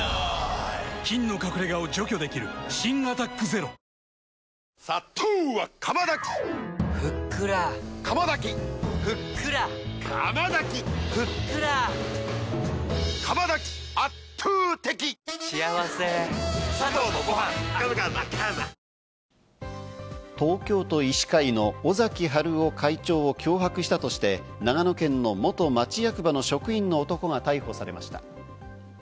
菌の隠れ家を除去できる新「アタックＺＥＲＯ」東京都医師会の尾崎治夫会長を脅迫したとして、長野県の元町役場の職員の男が逮捕されました。